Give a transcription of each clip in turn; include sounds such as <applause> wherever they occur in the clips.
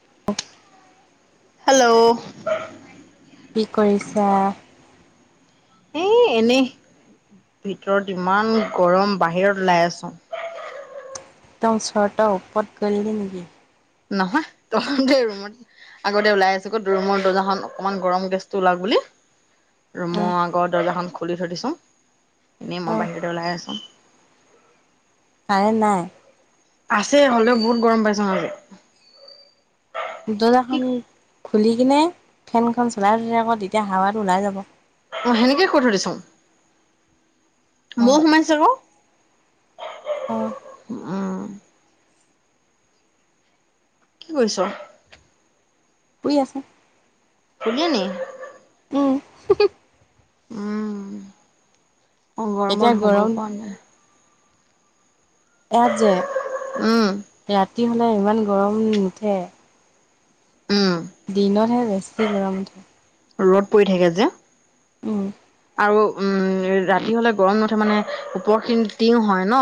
<inaudible> Hello কি কৰিছা, এ এনেই ভিতৰত ইমান গৰম বাহিৰত ওলাই আছো। দম শৰ্ট ‌ওপট গৈইললি নেকি? নহয় তহঁতে ৰুমত আগতে ওলাই আছোঁ গৈ, ৰুমৰ দৰ্জাখন অকমান গৰম গেছটো ওলাৱক বুলি অ ৰুমৰ আগৰ দৰ্জাখন খুলি থৈ দিছোং এনেই অ মই বাহিৰতে ওলাই আছোং কাৰেণ্ট নাই আছে হ'লেও বহুত গৰম পাইছোঁ আজি কি দৰ্জাখন খুলি কিনে ফেনখন চলাই থৈ দে ক তেতিয়া হাৱাটো ওলাই যাব অ, সেনেকে কৈ থৈ দিচুং। অ মৌ সোমাইছে ক অ উম, কি কৰিছ? শুই আছোং শুলিয়ে নিকি উম, হোমহ উমহ, মই এতিয়া গৰমত শুব গৰম পৰা নাই এয়াত যে উম ৰাতি হ'লে ইমান গৰম নুঠে উম দিনতহে বেছি গৰম উঠে ৰ'দ পৰি থাকে যে উম আৰু উম ৰাতি হ'লে গৰম নুঠে মানে ওপৰখিনি টিং হয় ন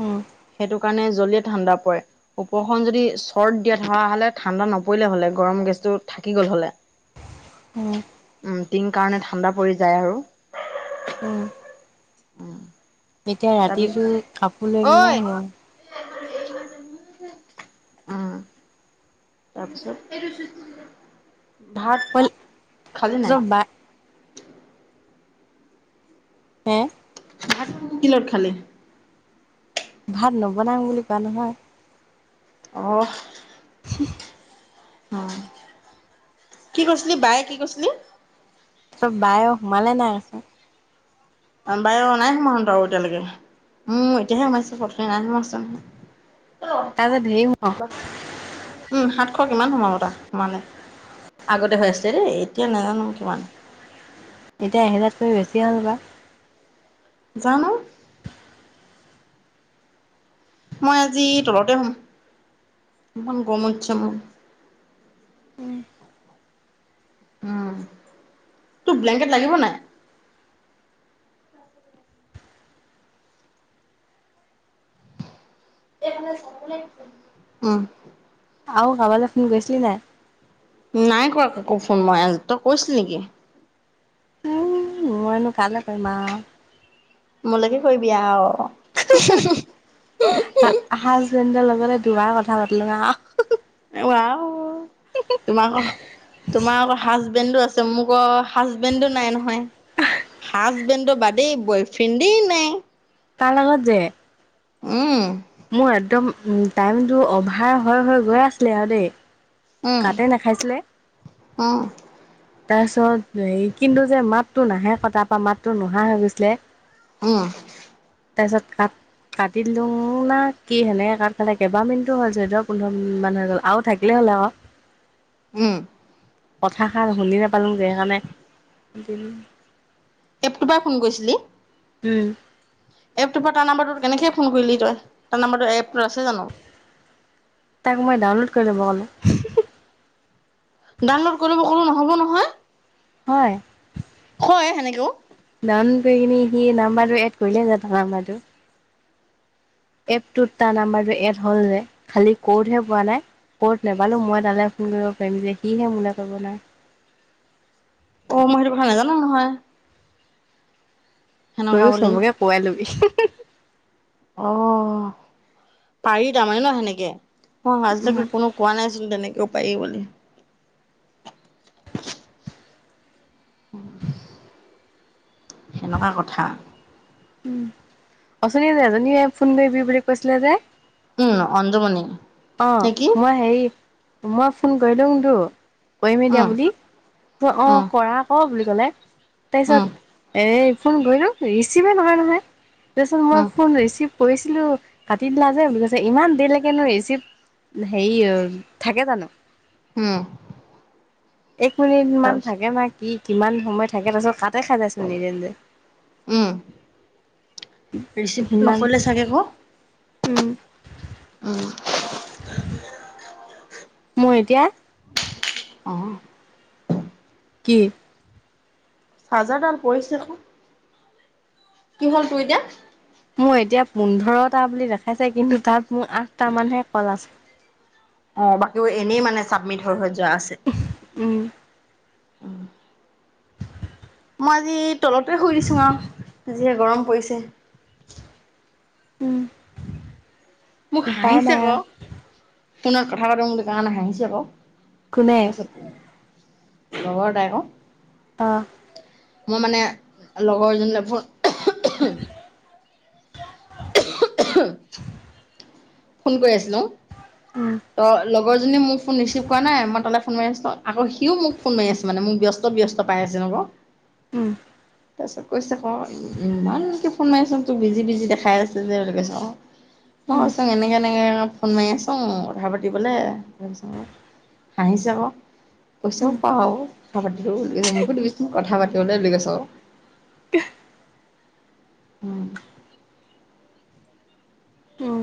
উম সেইটো কাৰণে জল্দি ঠাণ্ডা পৰে ওপৰখন যদি চৰ্ট দিয়া থকা হ'লে ঠাণ্ডা নপৰিলে হ'লে গৰম গেছটো থাকি গ'ল হ'লে উম উম টিং কাৰণে ঠাণ্ডা পৰি যায় আৰু উম উম এতিয়া তাৰপি ৰাতিটো কাপোৰ লৈ কিনে শুৱ অহ তাৰপিছত, এইটো চোন, ভাত অল খালি তহঁতৰ নাই? বা হে, ভাত কি লগত খালি? ভাত নবনাং বুলি কোৱা নহয়। অহ ', অ, কি কইছিলি বায়ে কি কইছিলি? বায়ৱ সোমালে নাই? <unintelligible> নাই সোমোৱা <unintelligible> এতিয়ালৈকে। মোৰ এতিয়াহে সোমাইছে <unintelligible> নাই সোমোৱা হৈছিলে নহয়। তাৰ যে ধেৰ <unintelligible> অহ, কিমান সোমাব তাৰ সোমালে? আগতে হৈ আছে দেই এতিয়া নাজানো কিমান। এতিয়া এহেজাৰতকৈ বেছি হ'ল পায়। জানো। মই আজি তলতে শুম ইমান গৰম উঠছে মোৰ। <inaudible> উম, <inaudible> তোক ব্লেংকেট লাগিব নাই? <unintelligible> উম আৰু কাবালৈ ফোন কৰিছিলি নাই? নাই কৰা কাকো ফোন মই তই কৰিছিলি নেকি? উম মইনো কালে কৰিম আও। মোলৈকে কৰিবি আওঁ। <unintelligible> হাজবেণ্ডৰ লগতে দুবাৰ কথা পাতিলো আওঁ। উৱাওঁ <unintelligible> তোমা <unintelligible> হাজবেণ্ডো আছে মোৰ ক' হাজবেণ্ডো নাই নহয়। হাজবেণ্ডৰ বাদেই বয়ফ্ৰেণ্ডেই নাই। তাৰ লগত যে উম। মোৰ একদম উম টাইমটো অভাৰ হৈ -হৈ গৈ আছিলে আৰু দে উম কাতে নাখাইছিলে। উম তাৰপিছত এই কিন্তু যে মাতটো নাহে আক তাৰ পৰা মাতটো নোহোৱা হৈ গৈছিলে। উম। তাৰপিছত কাক- কাটি দিলো না কি সেনেক কাট খালে, কেইবাহ মিনিটো হ'ল চৈধ্য-পোন্ধৰ মিনিট মান হৈ গ'ল আৰু থাকিলেই হ'ল আক। উম কথাষাৰ শুনি নেপালোং যে সেইকাৰণে- এপ তো পাই ফোন কৰিছিলি? উম, এপটোৰ পৰা তাৰ নাম্বৰটোত কেনেকে ফোন কৰিলি তই? তাৰ নাম্বৰটো এপটোত আছে জানো? তাক মই ডাউনলোড কৰি ল'ব ক'লো। <unintelligible> ডাউনলোড কৰিব কলো নহ'ব নহয়। হয়। হয় সেনেকেও। নান গৈ কিনে সি নাম্বাৰটো এড কৰিলে <unintelligible> নাম্বাৰটো। এপটোত তাৰ নাম্বাৰটো এড হ'ল যে খালি ক'ডহে পোৱা নাই। ক'ড নেপালো মই তালে ফোন কৰিব পাৰিম যে সিহে মোলে কৰিব নোৱাৰে। অহ, মই সেইটো কথা নাজানো নহয়। সেনেকুৱা তইও বুলি চবকে পোৱাই লবি। অহ, পাৰি তাৰমানে ন'সেনেকে? অহ, আজিলৈকে কোনো কোৱা নাইচোন তেনেকে। পাৰি বুলি। <unintelligible> সেনেকুৱা কথা। উম, অছনীয়ে যে এজনীয়ে ফোন কৰিবি বুলি কৈছিলে যে? উম অঞ্জুমণি। অ নে কি মই হেৰি, মই ফোন কৰিলুংটো। কৰিমেই উম এতিয়া বুলি অ অ উম কৰা আক বুলি কলে, উম তাৰপিছত এ- ফোন গলোঁ ৰিচিভেই নহয় নহয়। তাৰপিছত মই উম ফোন ৰিচিভ- কৰিছিলো কাটি দিলা যে বুলি কৈছে, ইমান দেৰিলৈকেনো ৰিচিপ্ট- হেৰি অ থাকে জানো? উম। এক মিনিট মান তাৰপিছত থাকে না কি? কিমান সময় থাকে? তাৰপিছত কাট- তই খালে চোন নিজে নিজে। উম ৰিচিভ সিমান নকৰিলে চাগে ক'। উম। উম। মই এতিয়া অ। কি? চজাৰডাল পৰিছে ক। কি হল তোৰ এতিয়া? মোৰ এতিয়া পোন্ধৰটা বুলি দেখাইছে কিন্তু তাত মোৰ আঠটা মানহে কল আছে। অ বাকী এনেই মানে চাবমিট হৈ হৈ যোৱা আছে। উম উম। মই আজি তলতে শুই দিছোঁ আৰু যিহে গৰম পৰিছে। উম মোক উপায় হাঁহিছে ক। নাই ফোনত কথা পাতো বুলি তাৰমানে হাঁহিছে ক, কোনে তাৰপিছত- খবৰ তাই ক। অ মই মানে লগৰ জনিলে ফোন <unintelligible> ফোন কৰি আছিলোং উম ত লগ লগৰজনীয়ে মোৰ ফোন ৰিচিভ কৰা নাই মই তালে ফোন মাৰিছোঁ আকৌ হিউ মোক ফোন মাৰি আছে মানে মোক ব্যস্ত ব্যস্ত পাই আছে মানে হব উম। তাৰপিছত কৈছে ক ইমানকে ফোন মাৰি আছু তোক বিজি বিজি দেখাই আছে কৈছে ক। মই উম কৈচুং এনেকে এনেকে ফোন মাৰি আছো কথা পাতিবলৈ তাৰপাছত হাঁহিছে ক পইচাও উম পাওঁ কথা পাতিলে মোকো দিবিচোন কথা পাতিবলৈ কৈছে ক ইহ উম উম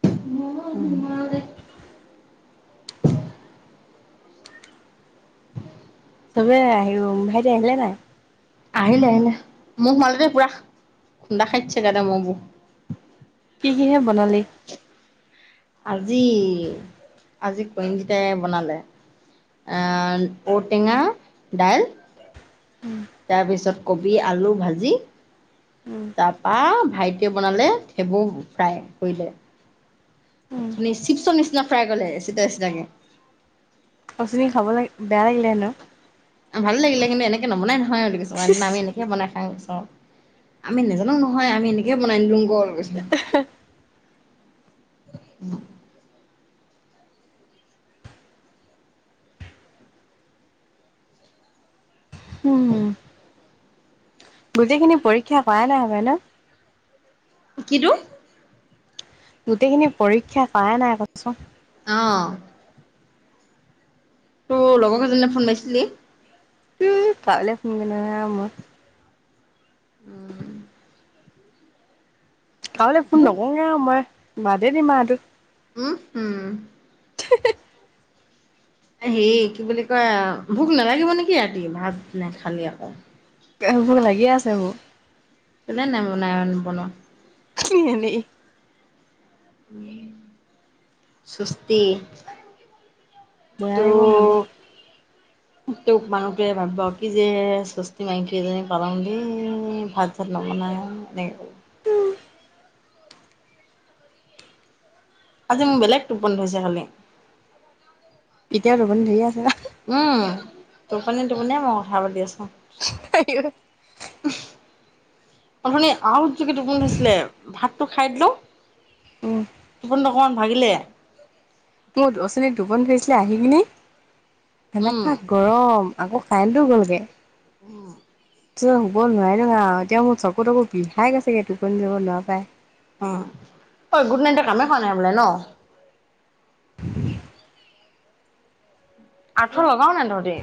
<unintelligible> চবে আহিও ভাইটি আহিলে নাই? আহিলে আহিলে মহ সোমালে দেই পুৰা খুন্দা খাই দিছে মহ বোৰ কি কি হে বনালি? আজি আজি পৰিঞ্জিতাই বনালে। আহ ঔটেঙা দাইল তাৰপিছত কবি আলু ভাজি উম তাৰপা ভাইটিয়ে বনালে ঠেবো ফ্ৰাই কৰিলে। উম অথনি চিপছৰ নিচিনা ফ্ৰাই কৰিলে এচিটা এচিটাকে। পচনী খাব লাগ বেয়া লাগিলে হেনো ভাল লাগিলে কিন্তু এনেকে নৱনাই নহয় বুলি কৈছে ক সেইদিনা আমি এনেকে বনাই ওচৰত আমি নাজানোং নহয় আমি এনেকে বনাই দিলুং ক কৈছো উম উম গোটেইখিনি পৰীক্ষা কৰাই নাই হপাই ন কিটু গোটেইখিনি পৰীক্ষা কৰা নাই কৈছুং অ তোৰ লগৰ কেইজনিলে ফোন মাইছিলি? উম কাৰুলে ফুন কৰি থকা নাই মই উম কাবলে ফোন উম নকোগে আৰু মই বাদেই দিম আওঁও এইটো উম উম থিহি হে কি বুলি কয় ভোক নালাগিব নেকি ৰাতি ভাত নে খালি আকৌ ভুক লাগিয়ে আছে মোৰ কোনে নাই নৱনাও এনেই উম সুস্তি বেয়া লাগিব মোলে নছ <unintelligible> টোক মানুহটোৱে ভাবিব কি যে চুস্তি মাইকী এজনী পালোং দেই ভাত চাত নবনাই, ন দে আজি মোৰ বেলেগ টোপনি ধৰিছে খালি এতিয়াও টোপনি ধৰিয়ে আছে না উম টোপনিয়াই টোপনিয়াই মই কথা পাতি আছো। আইও অথনী আউ যো গে টুপনি ধৰিছিলে ভাতটো খাই দিলোং উম টোপনিটো অকমান ভাগিলে মোৰ অঠনি টোপনি ধৰিছিলে আহি কিনি উম এনেকা গৰম আকৌ কাইনটো গলগে উম শুব নোৱাৰিলোঙা এতিয়া মোৰ চকু তকু বিষাই গৈছেগে টোপনি যাব নোৱা পাই উম ঐ গুড নাইট টোৱে কামে কৱা নাই সপায় ন। আঠুৱা লগাও নাই তহতি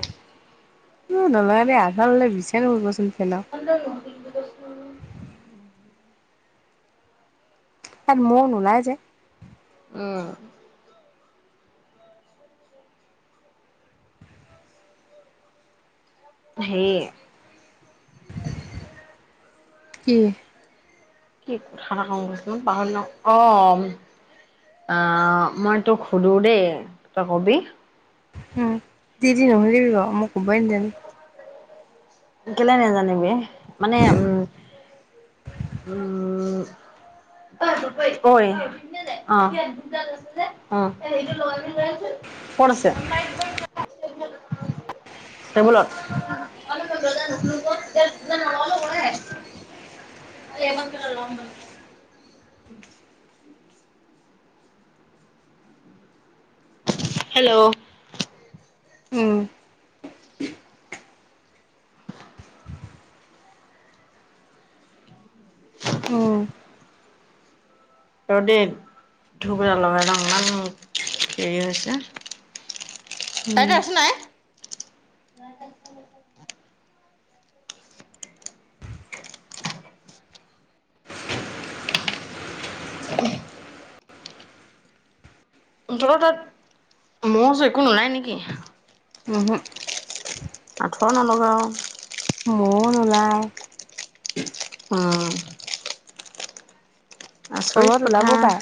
উ নলগাং দেই আঠুৱা ললে বিচাৰি নাপাব চোন। পধ ন দিছ <unintelligible> এয়াত মৌ নোলাই যে উম সেয়ে কি কি কথা এটা কং কৈছিলোং পাহৰিলোং অ আহ মই তোক সোধো দেই তই কবি উম যি তি নোসোদিবি ক মই কব নেজানিম কেলে নেজানিবি মানে উম উম ঐ অ অ <unintelligible> কত আছে <unintelligible> টেবুলত সেইকাৰণে দৰ্জা নোখোলোং ক তেতিয়া নলগালো হয়ে হেল্ল উম ৰ দে ধুব এদাল লগাই লং ইমান হেৰি হৈছে? উম তাইদেউ আছে নাই <unintelligible> তহ তাত মহ চহ একো নোলাই নেকি উ হু। আঠুৱা নলগাং মৌ নোলায়। উম। তলত আচৰিত ওলাব কথা। পাৰে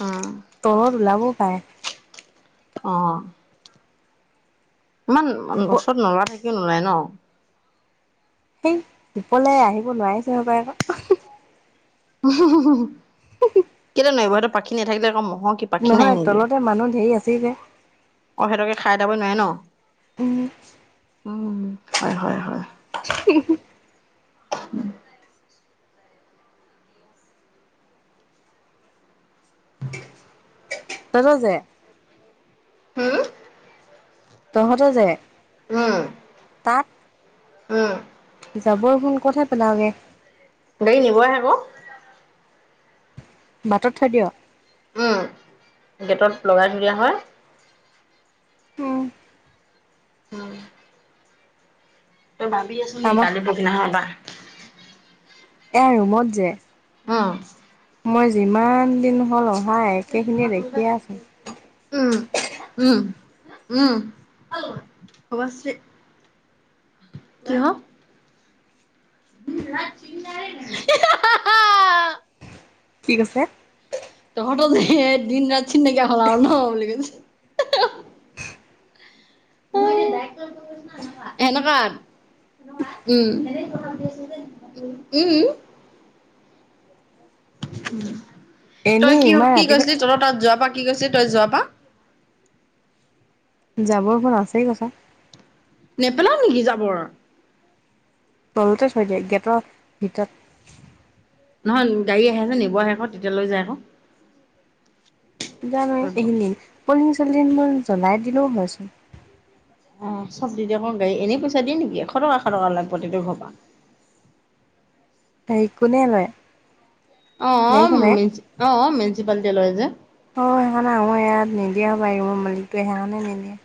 উম তলত ওলাবও পায়ে। অহ ইমান ওপ ওচত নলা থাকিও নোলাই ন। সেই ওপলে আহিব নোৱাৰিছে সপাই ক। কেলে নোৱাৰিব সেত পাখি নাথাকিলে ক অ কি পাখি নাই নহয় নেকি তলতে মানুহ ধেই আছেই যে অ সেহতকে খাই এতাব নোৱাৰে ন উম। উম হয় হয় হয় উম। তহ ত যে উম তহ ত যে উম তাত উম। যাবৰ ভোন কত হে পেলায়গে গাড়ী নিব আহে ক বাটত থৈ দিয়। উম গেটত লগাই থৈ দিয়া হয়। আহ উম তই ভাবি আছ নেকি আমাক কালিৰ পৰসী দিনাখনৰ পৰা। এয়া ৰুমত যে। অ মই যিমান দিন হ'ল অহা একেখিনিয়ে এটা দেখিয়ে আছোঁ <unintelligible> উম উম উম অৱশ্যে কিহ <unintelligible> কি কৈছে? তহত যে দিন ৰাত চিন নাইকিয়া হল আৰু ন বুলি কৈছে। সেনেকুৱা উম উম। তই এনেই কি ইমান কি কৈছিলি ৰাতিপুৱা তলত তাত যোৱা পা কি কৈছিলি তই যোৱা পা যাবৰ মন আছেই কথা। নেপেলাও নেকি জাবৰ? তলতে থৈ দিয়ে গেটৰ ভিতৰত। নহয় গাড়ী আহে যে নিব আহে আকৌ তেতিয়া লয় যায় ক জানই এইখিনি পলথিন, চলথিন বোৰ জ্বলাই দিলেও হয়চোন। অ চব দি দিয়ক গা় এনেই দিয়ে নেকি এশ টকা এশ টকা লয় প্ৰত্যেকটো ঘৰ পৰা। <unintelligible> সে কোনে লয়। অ গাড়ীখনে? অ মিউনচিপালিটি লৈ যে। স ম ইয়াত নিদিয়া পাৰিব মোৰ মালিকটো সেইকাৰণে নিদিয়ে।